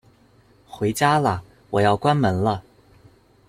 回家啦，我要关门了